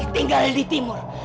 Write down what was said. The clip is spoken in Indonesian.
tinggal di timur